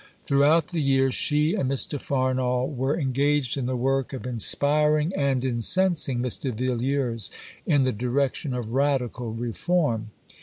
Throughout the year she and Mr. Farnall were engaged in the work of inspiring and incensing Mr. Villiers in the direction of radical reform.